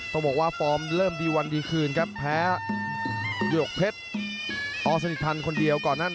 ต้องบอกว่าฟอร์มเริ่มดีวันดีคืนครับแพ้หยวกเพชรอสนิทพันธ์คนเดียวก่อนนั้น